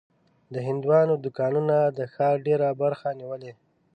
د هندوانو دوکانونه د ښار ډېره برخه نیولې.